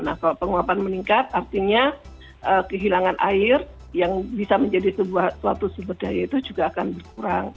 nah kalau penguapan meningkat artinya kehilangan air yang bisa menjadi suatu sumber daya itu juga akan berkurang